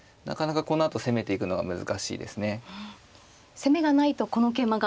攻めがないとこの桂馬が。